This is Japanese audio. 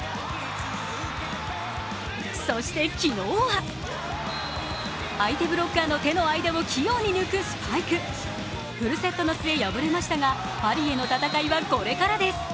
そして昨日は相手ブロッカーの手の間を器用に抜くスパイクフルセットの末、敗れましたがパリへの戦いはこれからです。